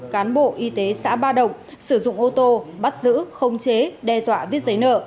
cán bộ y tế xã ba động sử dụng ô tô bắt giữ không chế đe dọa viết giấy nợ